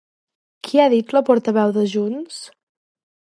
Qui ha dit la portaveu de Junts?